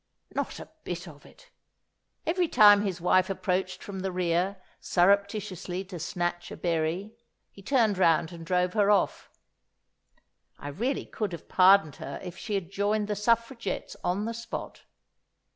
Not a bit of it! Every time his wife approached from the rear surreptitiously to snatch a berry, he turned round and drove her off (I really could have pardoned her if she had joined the suffragettes on the spot).